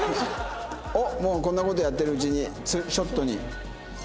おっもうこんな事やってるうちにツーショットに。